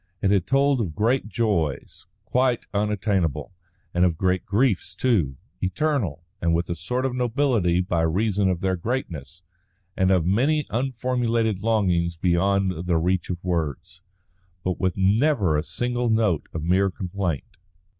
It had told of great joys, quite unattainable, and of great griefs too, eternal, and with a sort of nobility by reason of their greatness; and of many unformulated longings beyond the reach of words; but with never a single note of mere complaint.